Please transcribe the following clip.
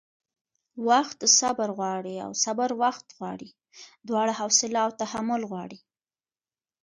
وخت صبر غواړي او صبر وخت غواړي؛ دواړه حوصله او تحمل غواړي